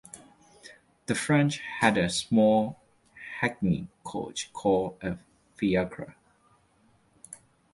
The French had a small hackney coach called a "fiacre".